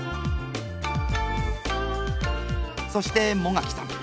そして茂垣さん。